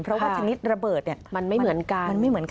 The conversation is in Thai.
เพราะว่าชนิดระเบิดมันไม่เหมือนกัน